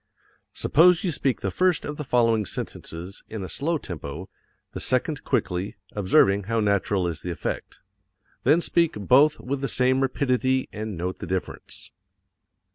Suppose you speak the first of the following sentences in a slow tempo, the second quickly, observing how natural is the effect. Then speak both with the same rapidity and note the difference.